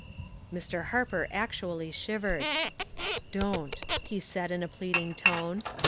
'* Mr. Harper actually shivered. " Don't," he said, in a pleading tone.